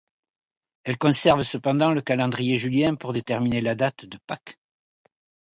Elles conservent cependant le calendrier julien pour déterminer la date de Pâques.